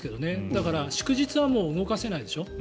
だから祝日は動かせないでしょ。